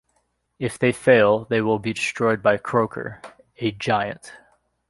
If they fail, they will be destroyed by Croker, a giant.